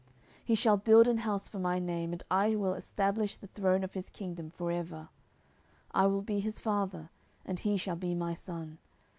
10:007:013 He shall build an house for my name, and I will stablish the throne of his kingdom for ever. 10:007:014 I will be his father, and he shall be my son.